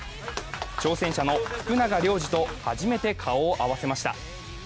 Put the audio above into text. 挑戦者の福永亮次と初めて顔を合わせました。